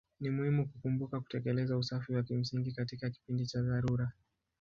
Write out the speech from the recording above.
Ni muhimu kukumbuka kutekeleza usafi wa kimsingi katika kipindi cha dharura.